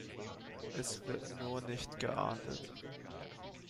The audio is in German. Es wird nur nicht geahndet.